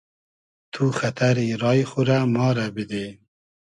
تو خئتئری رای خو رۂ ما رۂ بیدی